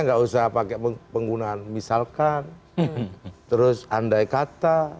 nggak usah pakai penggunaan misalkan pria grandma bombs tadi ada itu dari herealted forwards mb dua i make a putting list